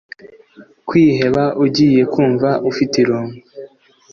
kwiheba ugiye kumva ufite irungu